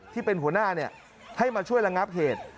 ที่เป็นหัวหน้าให้มาช่วยระงับเหตุ